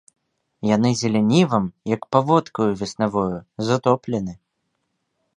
Яны зелянівам, як паводкаю веснавою, затоплены.